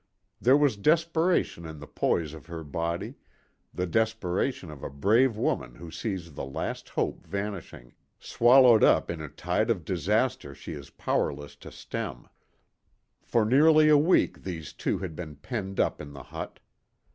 There was desperation in the poise of her body, the desperation of a brave woman who sees the last hope vanishing, swallowed up in a tide of disaster she is powerless to stem. For nearly a week these two had been penned up in the hut.